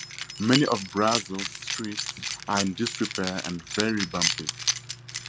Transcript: Many of Brazil's streets are in disrepair and very bumpy.